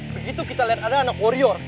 begitu kita lihat ada anak warrior